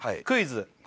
クイズ